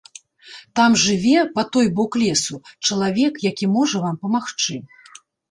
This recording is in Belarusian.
Там жыве, па той бок лесу, чалавек, які можа вам памагчы.